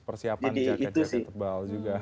persiapan jaket jasa tebal juga